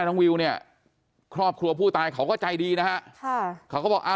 วิวเนี่ยครอบครัวผู้ตายเขาก็ใจดีนะฮะค่ะเขาก็บอกอ่า